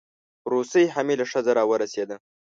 روسۍ حامله ښځه راورسېده.